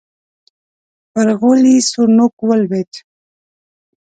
پر غولي سور نوک ولوېد.